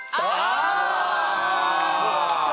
そっちか。